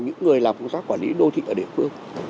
những người làm công tác quản lý đô thị ở địa phương